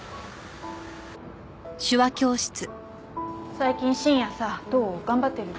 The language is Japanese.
最近深夜さどう？頑張ってる？